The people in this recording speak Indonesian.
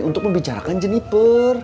untuk membicarakan jeniper